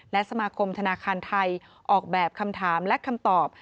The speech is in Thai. และสมาคมธนาคารไทยออกแบบคำถามและคำตอบ